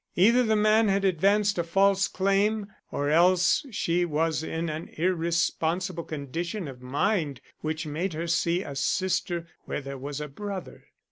Either the man had advanced a false claim or else she was in an irresponsible condition of mind which made her see a sister where there was a brother.